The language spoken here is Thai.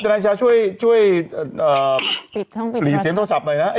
นายชาช่วยหลีกเสียงโทรศัพท์หน่อยนะ